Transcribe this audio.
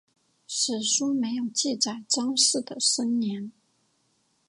史书没有记载张氏的生年。